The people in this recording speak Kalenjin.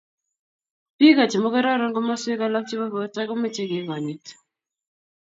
biko che makororon komoswek alak che bo borto ko meche kikonyit